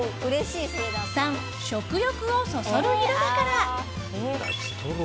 ３、食欲をそそる色だから。